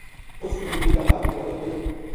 اس علم دین کا باپ کی قبر بھی اُ